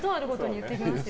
言ってきますよ